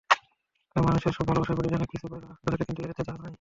কারণ মানুষের সব ভালবাসায় প্রতিদানে কিছু পাইবার আকাঙ্ক্ষা থাকে, কিন্তু ইহাতে তাহা নাই।